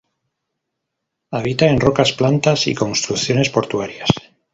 Habita en rocas, plantas y construcciones portuarias.